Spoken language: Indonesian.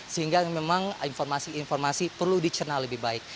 sehingga memang informasi informasi perlu dicerna lebih baik